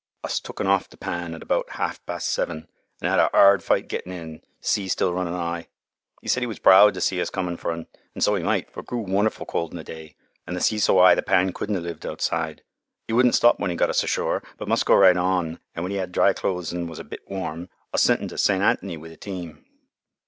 "Us took un off th' pan at about half past seven, an' 'ad a 'ard fight gettin' in, th' sea still runnin' 'igh. 'E said 'e was proud to see us comin' for un, and so 'e might, for it grew wonderfu' cold in th' day and th' sea so 'igh the pan couldn' 'a' lived outside. 'E wouldn' stop when us got ashore, but must go right on, an' when 'e 'ad dry clothes an' was a bit warm, us sent un to St. Anthony with a team.